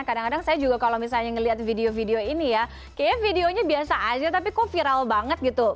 kadang kadang saya juga kalau misalnya ngelihat video video ini ya kayaknya videonya biasa aja tapi kok viral banget gitu